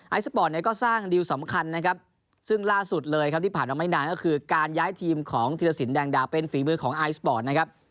สปอร์ตเนี่ยก็สร้างดิวสำคัญนะครับซึ่งล่าสุดเลยครับที่ผ่านมาไม่นานก็คือการย้ายทีมของธิรสินแดงดาเป็นฝีมือของไอสปอร์ตนะครับ